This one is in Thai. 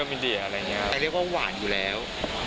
เรียกว่าหวานอยู่แล้ว